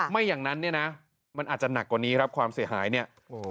ไม่อย่างนั้นมันอาจจะหนักกว่านี้ครับความเสียหายนี่